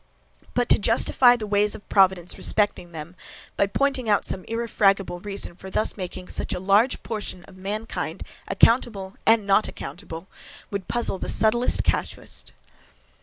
But to justify the ways of providence respecting them, by pointing out some irrefragable reason for thus making such a large portion of mankind accountable and not accountable, would puzzle the subtlest casuist.